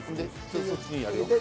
そっちにやるよ。